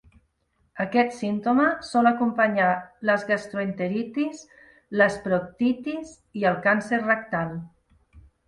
Aquest símptoma sol acompanyar les gastroenteritis, les proctitis i el càncer rectal.